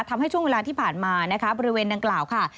ทำให้ช่วงเวลาที่ผ่านมานะคะบริเวณดังกล่าวค่ะ